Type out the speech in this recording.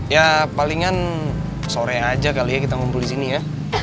ya palingan sore aja kali ya kita ngumpul di sini ya